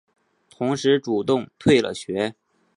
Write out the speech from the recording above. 同时主动退了学。